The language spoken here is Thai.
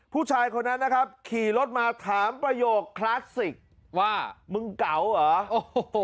ผู้ชายคนนั้นนะครับขี่รถมาถามประโยคคลาสสิกว่ามึงเก๋าเหรอโอ้โห